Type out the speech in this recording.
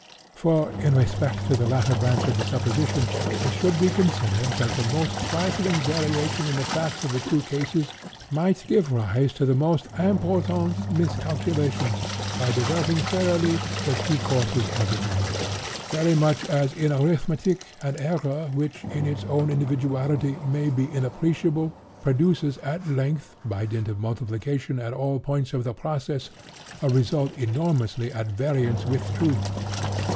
For, in respect to the latter branch of the supposition, it should be considered that the most trifling variation in the facts of the two cases might give rise to the most important miscalculations, by diverting thoroughly the two courses of events; very much as, in arithmetic, an error which, in its own individuality, may be inappreciable, produces, at length, by dint of multiplication at all points of the process, a result enormously at variance with truth.